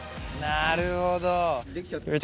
なるほど。